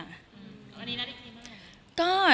วันนี้นัดอีกทีเมื่อไหร่คะ